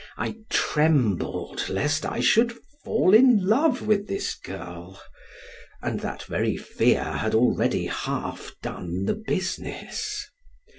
I trembled lest I should fall in love with this girl, and that very fear had already half done the business.